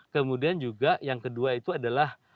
kemudian juga yang kedua itu adalah